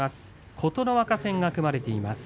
琴ノ若戦が組まれています。